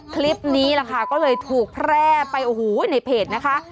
คลิปนี้ก็เลยถูกแพร่ไปในเพจนะคะ